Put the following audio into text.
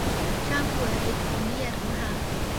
丈夫为同业同行。